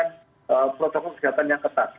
dan protokol kesehatan yang ketat